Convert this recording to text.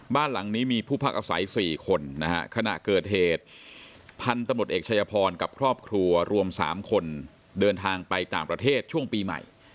บ้านหลังนี้มีผู้พักอาศัย๔คนนะฮะขณะเกิดเหตุพันธุ์ตำรวจเอกชายพรกับครอบครัวรวม๓คนเดินทางไปต่างประเทศช่วงปีใหม่